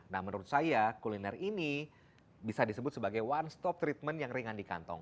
nah menurut saya kuliner ini bisa disebut sebagai one stop treatment yang ringan di kantong